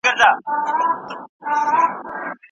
ناروغان به ښه شي.